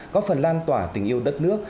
có phần lan tỏa tình yêu đất nước